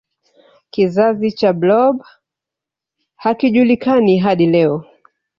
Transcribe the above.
kizazi cha blob hakijulikani hadi leo